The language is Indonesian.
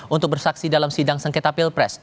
untuk bersaksi dalam sidang sengketa pilpres